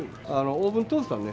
オーブントースターね。